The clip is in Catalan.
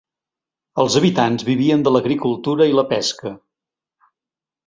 Els habitants vivien de l'agricultura i la pesca.